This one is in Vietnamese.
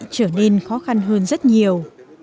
trở nên khó khăn hơn rất nhiều